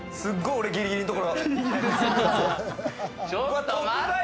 俺、ギリギリのところ。